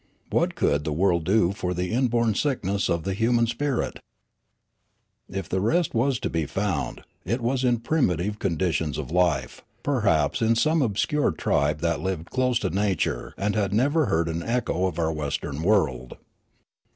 What could the world do for the inborn sickness of the human spirit ? If the rest was to be found, it was in primitive con ditions of life, perhaps in some obscure tribe that lived close to nature and had never heard an echo of our Resurrections ii western world.